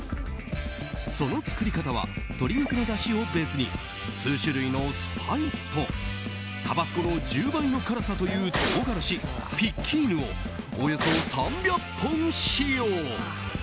その作り方は鶏肉のだしをベースに数種類のスパイスとタバスコの１０倍の辛さという唐辛子、ピッキーヌをおよそ３００本使用。